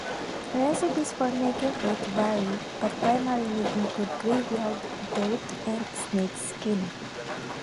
Recipes for making it vary, but primarily include graveyard dirt and snakeskin.